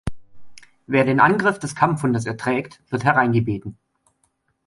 Wer den Angriff des Kampfhundes erträgt, wird hereingebeten.